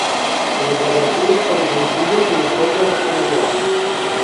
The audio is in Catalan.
Les obertures són senzilles i de forma rectangular.